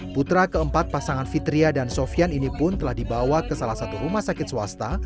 putra keempat pasangan fitria dan sofian ini pun telah dibawa ke salah satu rumah sakit swasta